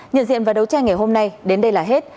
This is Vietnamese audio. nhận diện và đấu tranh ngày hôm nay đến đây là hết